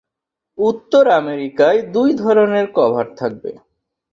উত্তর আমেরিকায় দুই ধরনের কভার থাকবে।